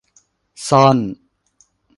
ซ่อน